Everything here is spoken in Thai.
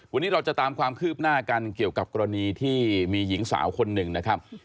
วันนี้เราจะตามความคืบหน้ากันเกี่ยวกับกรณีที่มีหญิงสาวคนหนึ่งนะครับ